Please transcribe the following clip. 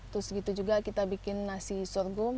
terus gitu juga kita bikin nasi sorghum